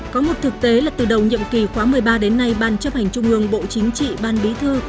có một thực tế là từ đầu nhiệm kỳ khóa một mươi ba đến nay ban chấp hành trung ương bộ chính trị ban bí thư